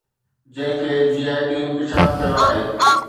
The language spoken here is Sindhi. جنهن کي جي آءِ ٽي انڪشاف ڪيو آهي